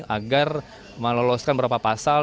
agar meloloskan beberapa pasal